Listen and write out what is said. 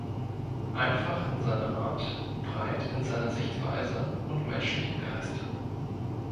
Einfach in seiner Art, breit in seiner Sichtweise und menschlich im Geist.